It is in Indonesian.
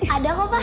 ada kok pa